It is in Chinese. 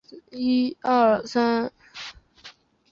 西秦是中国历史上十六国时期鲜卑人乞伏国仁建立的政权。